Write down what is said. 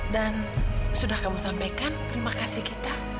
dan sudah kamu sampaikan terima kasih kita